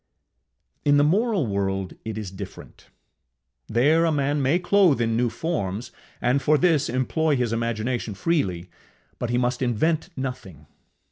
In the moral world it is different: there a man may clothe in new forms, and for this employ his imagination freely, but he must invent nothing.